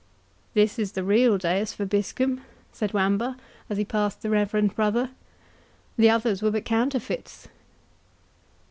"This is the real 'Deus vobiscum'," said Wamba, as he passed the reverend brother; "the others were but counterfeits."